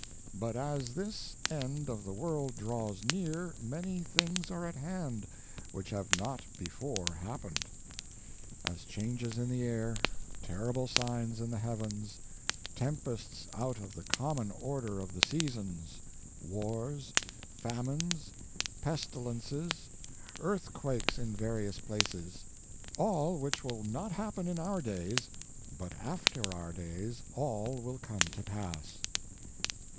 But as this end of the world draws near many things are at hand which have not before happened, as changes in the air, terrible signs in the heavens, tempests out of the common order of the seasons, wars, famines, pestilences, earthquakes in various places; all which will not happen in our days, but after our days all will come to pass.